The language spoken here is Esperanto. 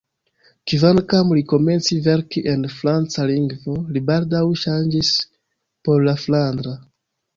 Kvankam li komenci verki en franca lingvo, li baldaŭ ŝanĝis por la flandra.